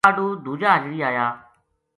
کاہڈُو دُوجا اجڑی آیا